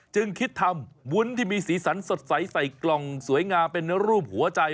จึงคิดทำวุ้นที่มีสีสันสดใสใส่กล่องสวยงามเป็นรูปหัวใจ